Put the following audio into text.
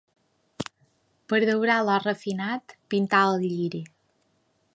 Per daurar l'or refinat, pintar el lliri